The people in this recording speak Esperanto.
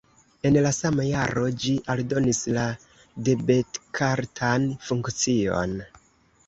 En la sama jaro ĝi aldonis la debetkartan funkcion.